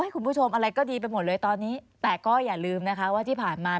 ขอบคุณตอนนี้ค่ะสวัสดีค่ะ